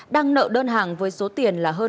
đang nợ đơn hàng với số tiền là hơn một triệu đồng